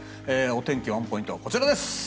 お天気ワンポイントはこちらです。